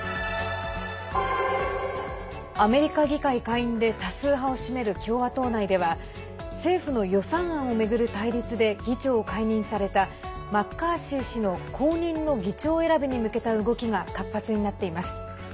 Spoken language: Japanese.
アメリカ議会下院で多数派を占める共和党内では政府の予算案を巡る対立で議長を解任されたマッカーシー氏の後任の議長選びに向けた動きが活発になっています。